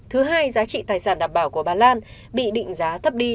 thứ hai giá trị tài sản đảm bảo của bà lan bị định giá thấp đi